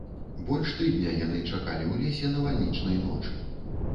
Больш тыдня яны чакалі ў лесе навальнічнай ночы.